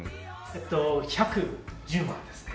えっと１１０万ですね。